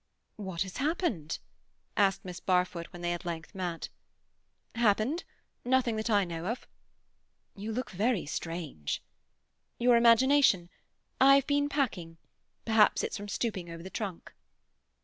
"What has happened?" asked Miss Barfoot, when they at length met. "Happened? Nothing that I know of." "You look very strange." "Your imagination. I have been packing; perhaps it's from stooping over the trunk."